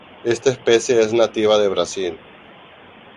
Esta especie es nativa de Brasil.